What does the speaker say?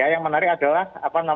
yang menarik adalah